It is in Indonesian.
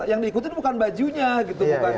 yang diikutin bukan bajunya gitu